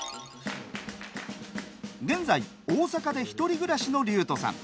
現在、大阪で一人暮らしの琉斗さん。